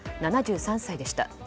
７３歳でした。